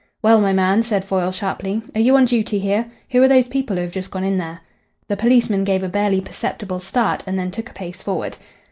"Well, my man," said Foyle sharply, "are you on duty here? Who are those people who have just gone in there?" The policeman gave a barely perceptible start, and then took a pace forward.